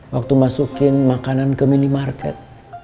waktu masukin makanan ke minimarket